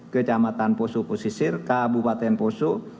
kecamatan puso posisir kabupaten puso